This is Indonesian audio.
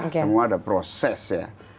semua ada proses ya